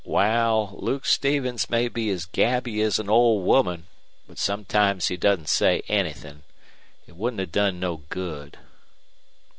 "Wal, Luke Stevens may be as gabby as an old woman, but sometimes he doesn't say anythin'. It wouldn't have done no good."